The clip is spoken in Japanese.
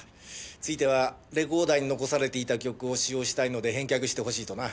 「ついてはレコーダーに残されていた曲を使用したいので返却してほしい」とな。